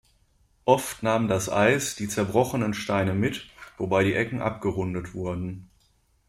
Oft nahm das Eis die zerbrochenen Steine mit, wobei die Ecken abgerundet wurden.